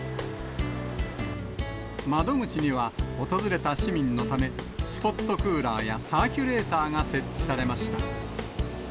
窓口には、訪れた市民のため、スポットクーラーやサーキュレーターが設置されました。